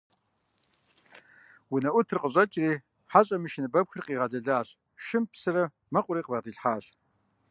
Унэӏутыр къыщӀэкӀри хьэщӏэм и шыныбэпхыр къигъэлэлащ, шым псырэ мэкъурэ бгъэдилъхьащ.